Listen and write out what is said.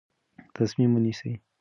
تصمیم ونیسئ.